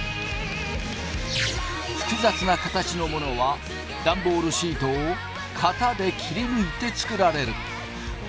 複雑な形のものはダンボールシートを型で切り抜いて作られる。